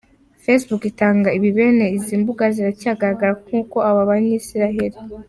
Facebook itangaza ibi bene izi mbuga ziracyagaragara nkuko aba banyaisiraheli